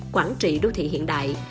quản trị đô thị hiện đại